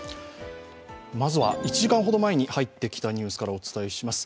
まずは１時間ほど前に入ってきたニュースからお伝えします。